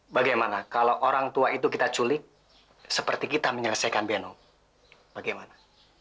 bagaimana kalau orang tua itu kita culik seperti kita menyelesaikan beno bagaimana